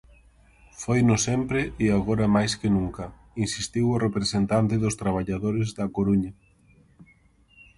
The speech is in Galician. Foino sempre e agora máis que nunca, insistiu o representante dos traballadores da Coruña.